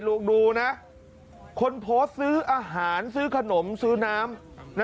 ลูกดูนะคนพอซื้ออาหารซื้อขนมซื้อน้ำนะครับ